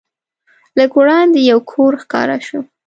لږ وړاندې یو کور ښکاره شو.